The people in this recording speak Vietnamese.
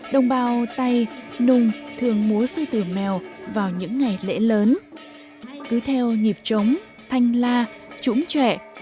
đồng bào tây nung thường múa sư tử mèo vào những ngày lễ lớn cứ theo nhịp chống thanh la trũng trệ